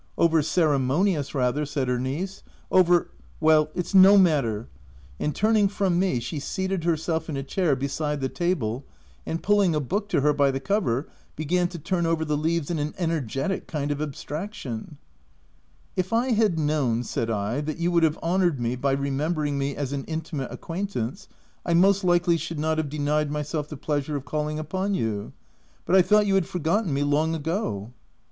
"Over ceremonious rather,'' said her niece —" over — well, it's no matter/' And turning from me, she seated herself in a chair beside the table, and pulling a book to her by the cover, began to turn over the leaves in an ener getic kind of abstraction. " If I had known/' said I, "that you would have honoured me by remembering me as an intimate acquaintance, I most likely should not have denied myself the pleasure of calling up on you, but I thought you had forgotten me long ago." OF WiLDFELL HALL.